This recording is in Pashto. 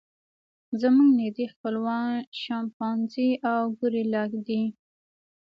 زموږ نږدې خپلوان شامپانزي او ګوریلا دي.